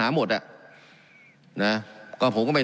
การปรับปรุงทางพื้นฐานสนามบิน